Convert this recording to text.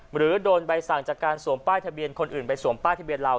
หรือโดนใบสั่งจากการสวมป้ายทะเบียนคนอื่นไปสวมป้ายทะเบียนเรา